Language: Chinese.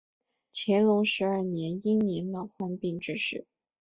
乾隆十二年因年老患病致仕。